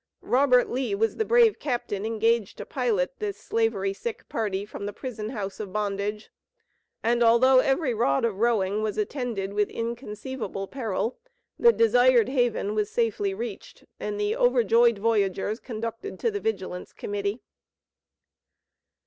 Robert Lee was the brave Captain engaged to pilot this Slavery sick party from the prison house of bondage. And although every rod of rowing was attended with inconceivable peril, the desired haven was safely reached, and the overjoyed voyagers conducted to the Vigilance Committee.